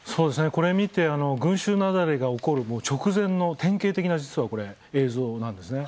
これは、群衆雪崩が起こる直前の典型的な映像なんですね。